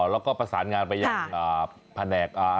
แล้วก็ประสานงานไปอย่าง